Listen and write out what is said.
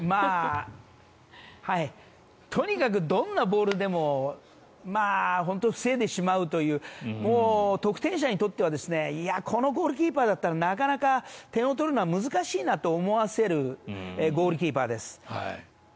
とにかくどんなボールでも防いでしまうという得点者にとってはこのゴールキーパーだったらなかなか点を取るのは難しいなと思わせるゴールキーパーです。